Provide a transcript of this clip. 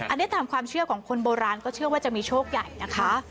อันนี้ตามความเชื่อของคนโบราณก็เชื่อว่าจะมีโชคใหญ่นะคะ